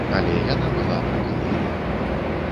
Але яна была прыпыненая.